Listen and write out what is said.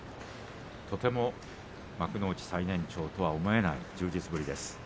とても幕内最年長とは思えない充実ぶりです。